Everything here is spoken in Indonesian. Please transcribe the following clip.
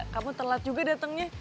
kamu telat juga datangnya